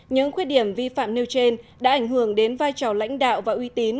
những khuyết điểm vi phạm nêu trên đã ảnh hưởng đến vai trò lãnh đạo và uy tín